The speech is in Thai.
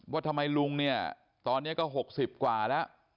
ว่าทำไมลุงเนี่ยตอนนี้ก็๖๐กว่าแล้ว